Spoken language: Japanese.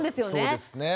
そうですね。